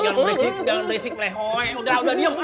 jangan beresik jangan beresik lehoe udah udah diem